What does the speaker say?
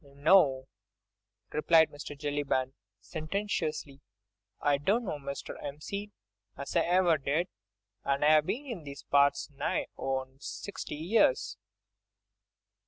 "No," replied Mr. Jellyband, sententiously, "I dunno, Mr. 'Empseed, as I ever did. An' I've been in these parts nigh on sixty years."